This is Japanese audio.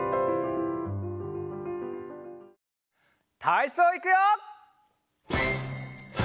たいそういくよ！